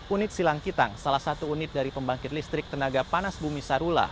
unit silangkitang salah satu unit dari pembangkit listrik tenaga panas bumi sarula